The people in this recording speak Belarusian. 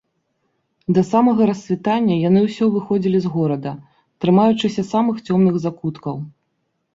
Да самага рассвітання яны ўсё выходзілі з горада, трымаючыся самых цёмных закуткаў.